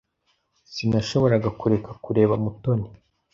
Sinashoboraga kureka kureba Mutoni.